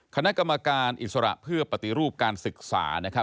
คณะกรรมการอิสระเพื่อปฏิรูปการศึกษานะครับ